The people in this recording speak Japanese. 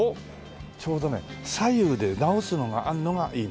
ちょうどね左右で直すのがあるのがいいのよ。